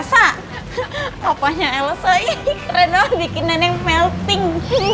elsa apanya elsa ini keren banget bikinannya melting